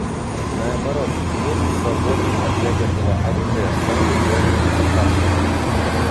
Наоборот, мир, свободный от ядерного оружия, стал бы более безопасным.